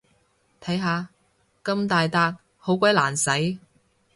睇下，咁大撻好鬼難洗